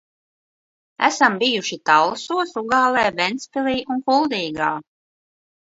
Esam bijuši Talsos, Ugālē, Ventspilī un Kuldīgā.